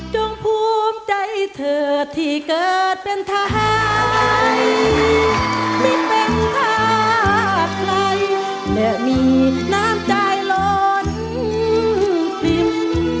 จงภูมิใจเธอที่เกิดเป็นทายไม่เป็นทักใครแม้มีน้ำใจหล่นพิมพ์